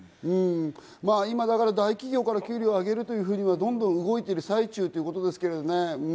今、だから大企業から給料を上げるというふうにはどんどん動いている最中ということですけどね。